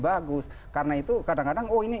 bagus karena itu kadang kadang oh ini